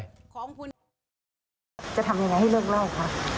จะทำอย่างไรให้เลิกเล่าคะ